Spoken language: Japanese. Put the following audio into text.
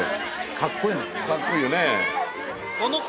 かっこいいよね。